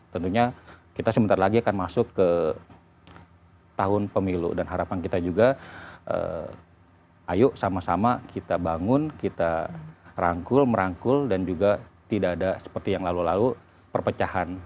tentunya kita sebentar lagi akan masuk ke tahun pemilu dan harapan kita juga ayo sama sama kita bangun kita rangkul merangkul dan juga tidak ada seperti yang lalu lalu perpecahan